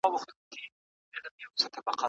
ولي د تحلیل وړتیا مهمه ده؟